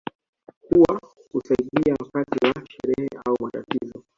Huwa husaidiana wakati wa sherehe au matatizo